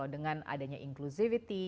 dengan adanya inclusivity